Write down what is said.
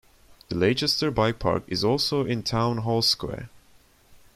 The Leicester Bike Park is also in Town Hall Square.